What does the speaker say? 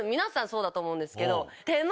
そうだと思うんですけど。